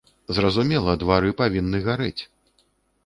Зразумела, двары павінны гарэць.